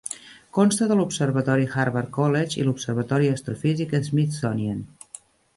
Consta de l'Observatori Harvard College i l'Observatori Astrofísic Smithsonian.